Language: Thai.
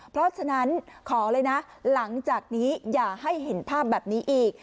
เพราะฉะนั้นขอเลยนะหลังจากนี้อย่าให้เห็นภาพแบบนี้อีก